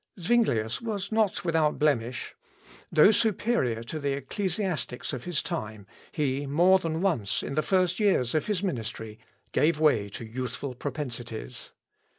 Zuinglius was not without blemish. Though superior to the ecclesiastics of his time he more than once, in the first years of his ministry, gave way to youthful propensities.